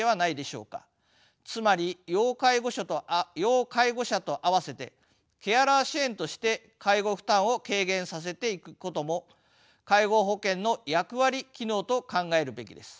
つまり要介護者と併せてケアラー支援として介護負担を軽減させていくことも介護保険の役割・機能と考えるべきです。